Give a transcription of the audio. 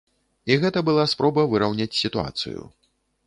І гэта была спроба выраўняць сітуацыю.